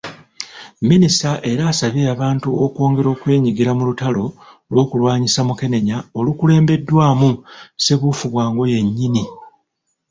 Minisita era asabye abantu okwongera okwenyigira mu lutalo lw'okulwanyisa Mukenenya olukulembeddwamu Ssebuufubwango yennyini.